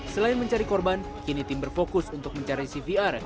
selain mencari korban kini tim berfokus untuk mencari cvr